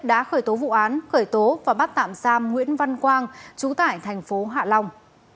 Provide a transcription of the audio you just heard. đã khởi tố vụ án khởi tố và bắt tạm giam nguyễn văn quang chú tải thành phố hạ long